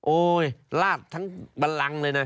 โอ๊ยราดทั้งบันรังเลยนะ